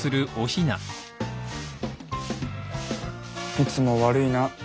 いつも悪いな。